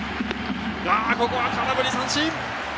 ここは空振り三振。